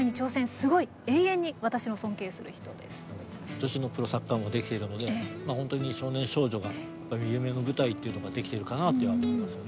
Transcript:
女子のプロサッカーもできているので本当に少年少女が夢の舞台っていうのができてるかなっては思いますよね。